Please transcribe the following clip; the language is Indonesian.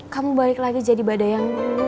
kamu balik lagi jadi badai yang